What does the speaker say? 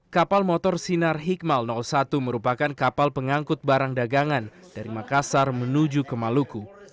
kapal motor sinar hikmal satu merupakan kapal pengangkut barang dagangan dari makassar menuju ke maluku